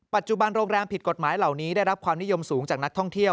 ปัจจุบันโรงแรมผิดกฎหมายเหล่านี้ได้รับความนิยมสูงจากนักท่องเที่ยว